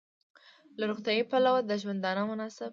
له روغتیايي پلوه د ژوندانه مناسب